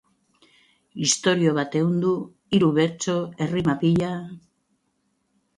Istorio bat ehundu, hiru bertso, errima pila...